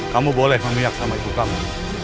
kamu boleh memiak sama ibu kamu